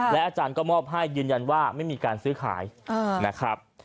และอาจารย์ก็มอบให้ยืนยันว่าไม่มีการซื้อขายนะครับ